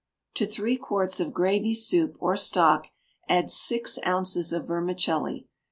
To three quarts of gravy soup, or stock, add six ounces of vermicelli.